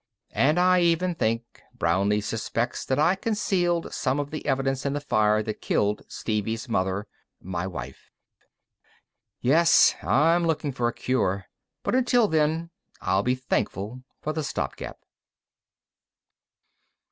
And I even think Brownlee suspects that I concealed some of the evidence in the fire that killed Stevie's mother my wife. Yes, I'm looking for a cure. But until then, I'll be thankful for the stopgap.